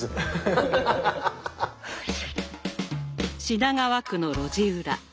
品川区の路地裏。